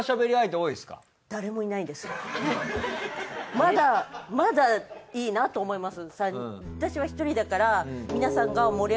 まだまだいいなと思います。